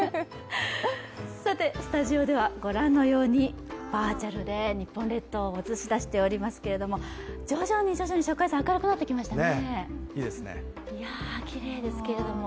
スタジオではご覧のようにバーチャルで日本列島を映し出しておりますけれども、徐々に明るくなってきましたね。